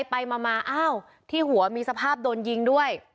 ไปมาอ้าวที่หัวมีสภาพโดนยิงด้วย